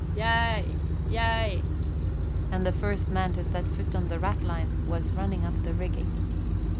"Yea, yea!" And the first man to set foot on the ratlines was running up the rigging.